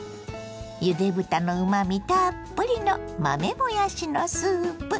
ゆで豚のうまみたっぷりの豆もやしのスープ。